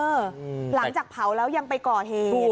หลังจากเผาแล้วยังไปก่อเหตุ